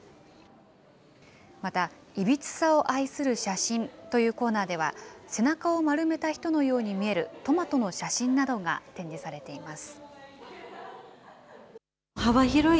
また、いびつさを愛する写真というコーナーでは、背中を丸めた人のように見えるトマトの写真などが展示されています。